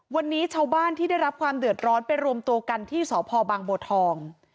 วันนี้ชาวบ้านที่ได้รับความเดือดร้อนไปรวมตัวกันที่สพบางบัวทอง